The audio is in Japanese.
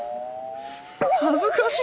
恥ずかしい！